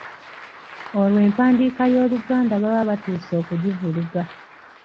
Olwo empandiika y'Oluganda baba batuuse okugivuluga.